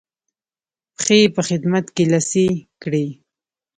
پښې یې په خدمت کې لڅې کړې.